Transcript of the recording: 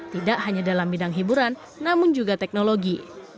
tidak hanya dalam bidang hiburan namun juga teknologi